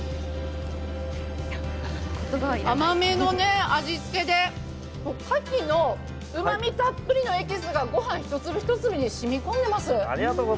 甘めの味付けで牡蠣のうまみたっぷりのエキスがご飯一粒一粒に染み込んでいます。